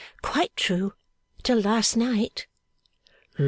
'Quite true, till last night.